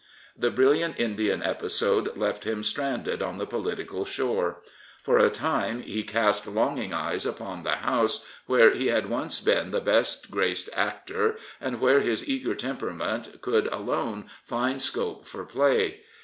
The brilliant Indian episode left him stranded on the political shore. For a time he cast longing eyes upon the House where he had once been the best graced actor and where his eager temperament could alone find scope for play.